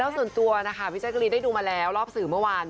ส่วนตัวนะคะพี่แจ๊กรีนได้ดูมาแล้วรอบสื่อเมื่อวาน